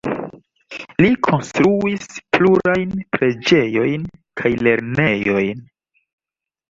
Li konstruis plurajn preĝejojn kaj lernejojn.